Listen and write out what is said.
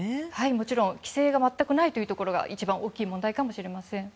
もちろん規制が全くないところが一番大きい問題かもしれません。